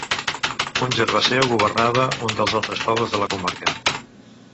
Un germà seu governava un dels altres pobles de la comarca.